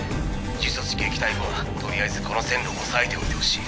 呪詛師撃退後はとりあえずこの線路を抑えておいてほしい。